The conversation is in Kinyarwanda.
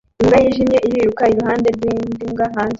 Imbwa yijimye iriruka iruhande rwindi mbwa hanze